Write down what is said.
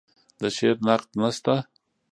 د شعر نقد نشته